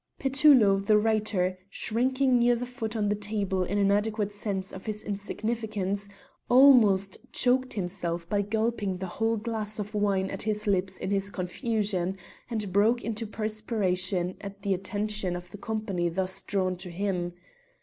Petullo the writer, shrinking near the foot of the table in an adequate sense of his insignificance, almost choked himself by gulping the whole glass of wine at his lips in his confusion, and broke into a perspiration at the attention of the company thus drawn to him.